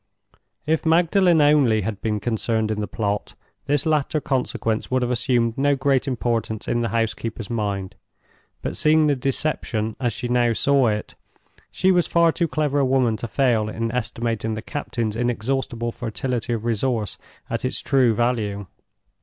If Magdalen only had been concerned in the plot this latter consequence would have assumed no great importance in the housekeeper's mind. But seeing the deception as she now saw it, she was far too clever a woman to fail in estimating the captain's inexhaustible fertility of resource at its true value.